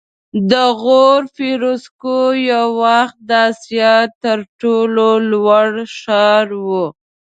د غور فیروزکوه یو وخت د اسیا تر ټولو لوړ ښار و